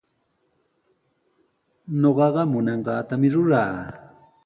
Ñuqaqa munanqaatami ruraa.